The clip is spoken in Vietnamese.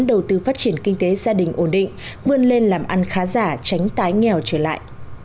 đầu tư phát triển kinh tế gia đình ổn định vươn lên làm ăn khá giả tránh tái nghèo trở lại